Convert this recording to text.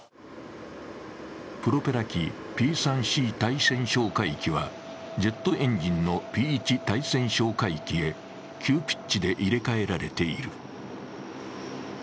プロペラ機、Ｐ３Ｃ対潜哨戒機はジェットエンジンのＰ１対潜哨戒機へ急ピッチで入れ替えられている。